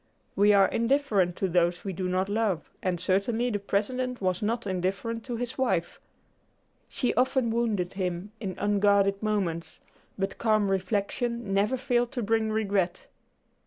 We are indifferent to those we do not love, and certainly the President was not indifferent to his wife. She often wounded him in unguarded moments, but calm reflection never failed to bring regret.